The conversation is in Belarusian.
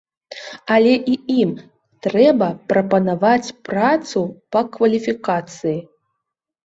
Але і ім трэба прапанаваць працу па кваліфікацыі.